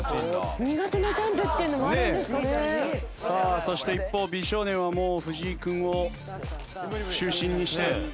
さあそして一方美少年はもう藤井君を中心にして。